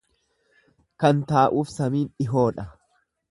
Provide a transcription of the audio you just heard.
Kan taa'uuf samin dhihoodha.